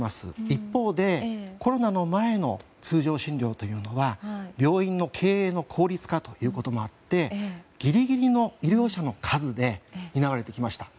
一方で、コロナの前の通常診療というのは病院の経営の効率化ということもあってギリギリの医療者の数で担われてきました。